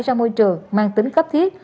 ra môi trường mang tính cấp thiết